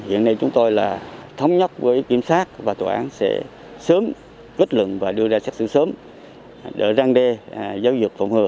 hiện nay chúng tôi là thống nhất với kiểm soát và tòa án sẽ sớm kết luận và đưa ra xét xử sớm để răng đê giáo dục phổng hừa